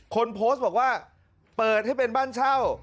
คนโพสต์บอกว่าเปิดให้เป็นบ้านเช่า